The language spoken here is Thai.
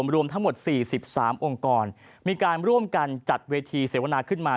รวมทั้งหมด๔๓องค์กรมีการร่วมกันจัดเวทีเสวนาขึ้นมา